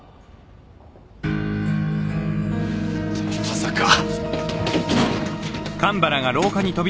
まさか！